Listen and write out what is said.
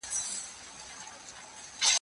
دوی چي ول ډوډۍ به تېره وي